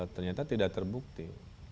ternyata tidak terbukti